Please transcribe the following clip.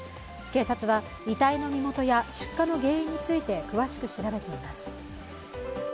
警察は遺体の身元や出火の原因について詳しく調べています。